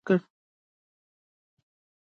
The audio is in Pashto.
احمد ته سږ کال د مڼو تجارت ښه سم پوخ ګړز ورکړ.